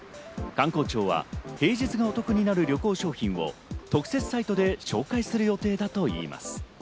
観光庁は平日がお得になる旅行商品を特設サイトで紹介する予定だといいます。